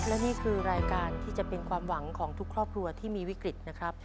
และนี่คือรายการที่จะเป็นความหวังของทุกครอบครัวที่มีวิกฤตนะครับ